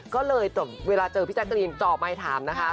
ก็เลยเวลาเจอพี่แจ๊กกะรีนจ่อไมค์ถามนะคะ